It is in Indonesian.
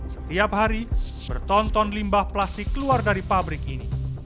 setiap hari bertonton limbah plastik keluar dari pabrik ini